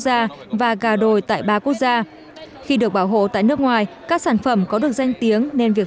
da và gà đồi tại ba quốc gia khi được bảo hộ tại nước ngoài các sản phẩm có được danh tiếng nên việc